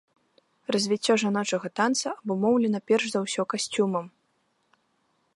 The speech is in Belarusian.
Развіццё жаночага танца абумоўлена перш за ўсё касцюмам.